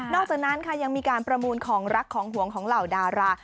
จากนั้นค่ะยังมีการประมูลของรักของห่วงของเหล่าดารา